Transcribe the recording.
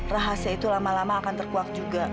rahasia itu lama lama akan terkuak juga